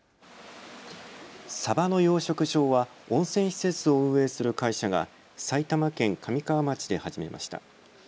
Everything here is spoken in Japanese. サバの養殖場は温泉施設を運営する会社が埼玉県神川町で始めました。